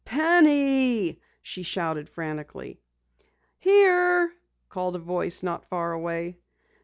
"Penny!" she shouted frantically. "Here!" called a voice not far away.